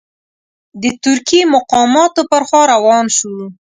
د ترکي مقاماتو پر خوا روان شو.